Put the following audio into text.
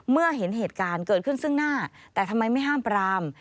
เมื่อเห็นเหตุการณ์เกิดขึ้นซึ่งหน้าแต่ทำไมไม่ห้ามปราม